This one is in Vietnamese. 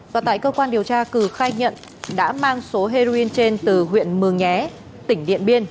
và tại cơ quan điều tra cử khai nhận đã mang số heroin trên từ huyện mường nhé tỉnh điện biên